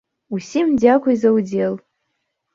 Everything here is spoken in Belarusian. Усім дзякуй за ўдзел!